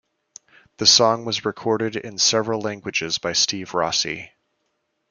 The song was recorded in several languages by Steve Rossi.